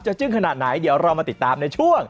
จึ้งขนาดไหนเดี๋ยวเรามาติดตามในช่วง